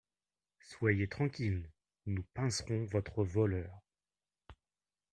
Soyez tranquille ; nous pincerons votre voleur.